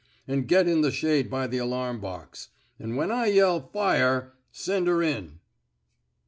an' get in the shade by the alarm box. An' when I yell * Fire! ' send her in."